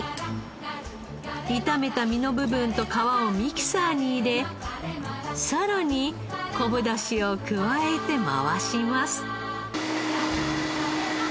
炒めた実の部分と皮をミキサーに入れさらに昆布出汁を加えて回します。